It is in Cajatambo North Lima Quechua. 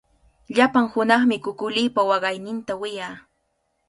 Llapan hunaqmi kukulipa waqayninta wiyaa.